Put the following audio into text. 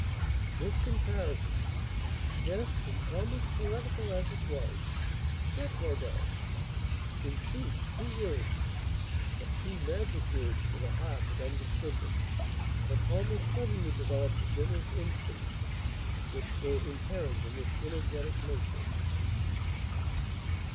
This comparison, just and almost poetical as it was, struck Rodolph. In sooth, two words, but two magic words for the heart that understood them, had almost suddenly developed the generous instincts which were inherent in this energetic nature.